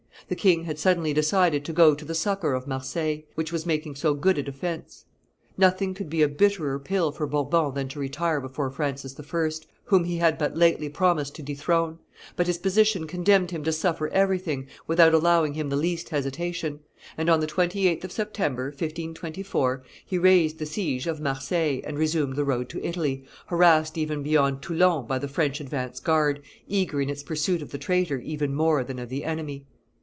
The king had suddenly decided to go to the succor of Marseilles, which was making so good a defence. Nothing could be a bitterer pill for Bourbon than to retire before Francis I., whom he had but lately promised to dethrone; but his position condemned him to suffer everything, without allowing him the least hesitation; and on the 28th of September, 1524, he raised the siege of Marseilles and resumed the road to Italy, harassed even beyond Toulon by the French advance guard, eager in its pursuit of the traitor even more than of the enemy.